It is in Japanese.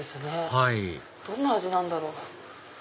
はいどんな味なんだろう？